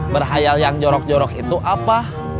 berhayal yang jorok jorok itu apa